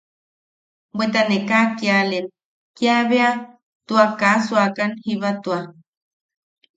Bweta ne kaa kialen, kiabea tua kaa suakan jiba tua.